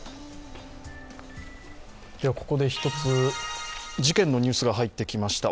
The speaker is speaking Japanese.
ここで一つ事件のニュースが入ってきました。